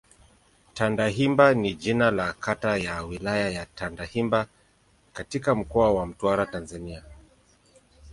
Tandahimba ni jina la kata ya Wilaya ya Tandahimba katika Mkoa wa Mtwara, Tanzania.